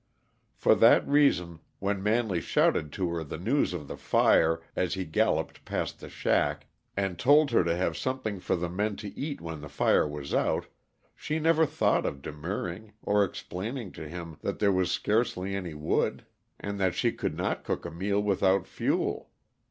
For that reason, when Manley shouted to her the news of the fire as he galloped past the shack, and told her to have something for the men to eat when the fire was out, she never thought of demurring, or explaining to him that there was scarcely any wood, and that she could not cook a meal without fuel.